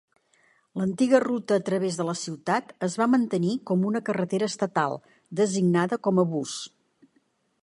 L'antiga ruta a través de la ciutat es va mantenir com una carretera estatal, designada com a Bus.